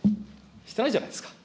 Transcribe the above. してないじゃないですか。